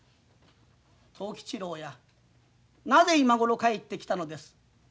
「藤吉郎やなぜ今頃帰ってきたのです。